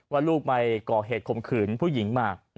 ว่าลูกไปก่อเหตุข่มขืนผู้หญิงมา